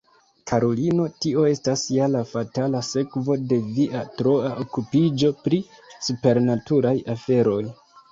karulino, tio estas ja la fatala sekvo de via troa okupiĝo pri supernaturaj aferoj.